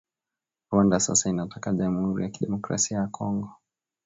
Rwanda sasa inataka Jamhuri ya kidemokrasia ya Kongo